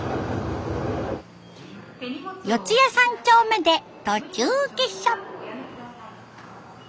四谷三丁目で途中下車。